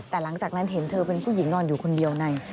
แต่หลังจากนั้นเห็นเธอเป็นผู้หญิงนอนอยู่คนเดียวใน